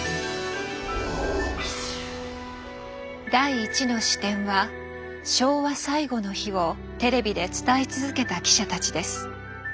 第１の視点は「昭和最後の日」をテレビで伝え続けた記者たちです。